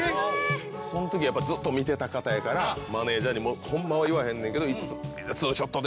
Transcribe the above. そん時やっぱりずっと見てた方やからマネジャーにホンマは言わへんねんけど。